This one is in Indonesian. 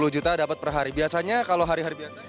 sepuluh juta dapat per hari biasanya kalau hari hari biasa